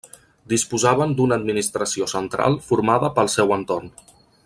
Disposaven d'una administració central formada pel seu entorn.